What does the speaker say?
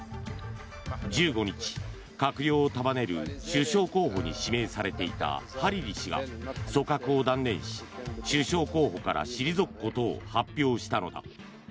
１５日、閣僚を束ねる首相候補に指名されていたハリリ氏が組閣を断念し首相候補から退くことを発表したのだ。